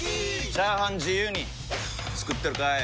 チャーハン自由に作ってるかい！？